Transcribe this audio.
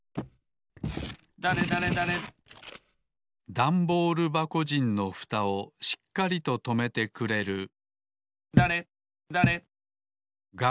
ダンボールばこじんのふたをしっかりととめてくれるだれだれ。